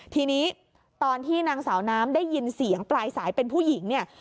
ทีนี้ตอนที่นางสาวน้ำได้ยินเสียงปลายสายเป็นผู้หญิงเนี่ย